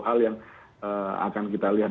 hal yang akan kita lihat